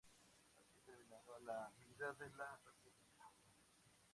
Así terminaba la vida de la república.